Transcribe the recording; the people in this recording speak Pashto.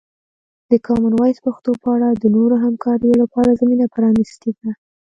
د کامن وایس پښتو په اړه د نورو همکاریو لپاره زمینه پرانیستې ده.